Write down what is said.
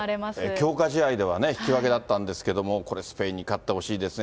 強化試合では引き分けだったんですけれども、これスペインに勝ってほしいですね。